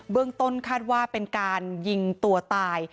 เรื่องต้นคาดว่าเป็นการยิงตัวตาย